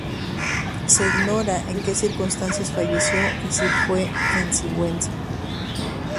Se ignora en que circunstancias falleció y si fue en Sigüenza.